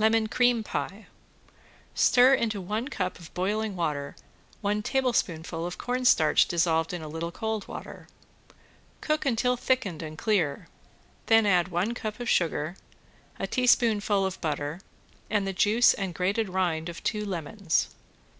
~LEMON CREAM PIE~ Stir into one cup of boiling water one tablespoonful of cornstarch dissolved in a little cold water. Cook until thickened and clear, then add one cup of sugar, a teaspoonful of butter, and the juice and grated rind of two lemons.